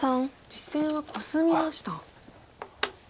実戦はコスみました。